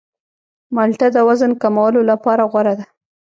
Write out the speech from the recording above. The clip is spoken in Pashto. مالټه د وزن کمولو لپاره غوره ده.